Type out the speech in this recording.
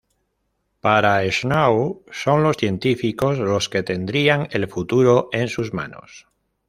Para Snow son los científicos los que tendrían el futuro en sus manos.